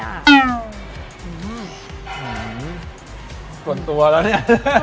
ตัวนักส่งตัวแล้วเนี่ย